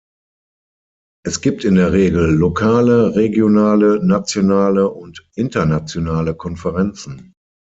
Es gibt in der Regel lokale, regionale, nationale und internationale Konferenzen.